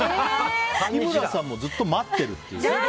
日村さんもずっと待ってるっていう。